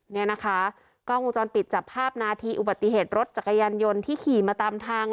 นี่นะคะกล้องวงจรปิดจับภาพนาทีอุบัติเหตุรถจักรยานยนต์ที่ขี่มาตามทาง